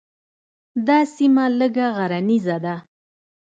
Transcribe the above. دا سیمه لږه غرنیزه ده.